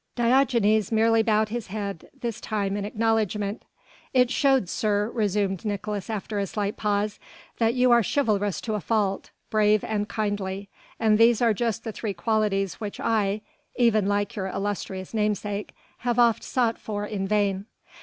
Diogenes merely bowed his head this time in acknowledgment. "It showed, sir," resumed Nicolaes after a slight pause, "that you are chivalrous to a fault, brave and kindly: and these are just the three qualities which I even like your illustrious namesake have oft sought for in vain."